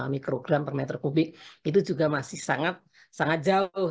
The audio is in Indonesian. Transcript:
mikrogram per meter kubik itu juga masih sangat jauh